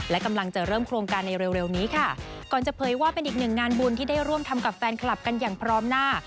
และกำลังจะเริ่มโครงการในเร็วนี้ค่ะก่อนจะเผยว่าเป็นอีกหนึ่งงานบุญที่ได้ร่วมทำกับแฟนคลับกันอย่างพร้อมหน้า